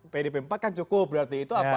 pdp empat kan cukup berarti itu apa